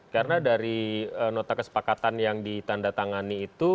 karena dari nota kesepakatan yang ditandatangani itu